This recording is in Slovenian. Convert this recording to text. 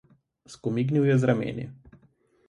Skomignil je z rameni.